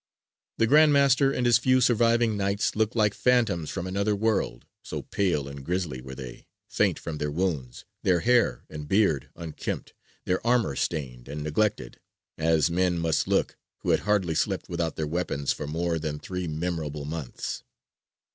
The Grand Master and his few surviving Knights looked like phantoms from another world, so pale and grisly were they, faint from their wounds, their hair and beard unkempt, their armour stained, and neglected, as men must look who had hardly slept without their weapons for more than three memorable months.